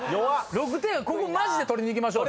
ここマジで取りにいきましょう。